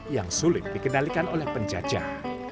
yang sulit dikendalikan oleh penjajah